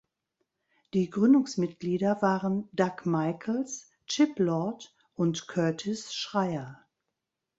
Die Gründungsmitglieder waren Doug Michels, Chip Lord und Curtis Schreier.